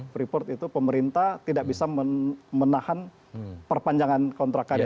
freeport itu pemerintah tidak bisa menahan perpanjangan kontrak karya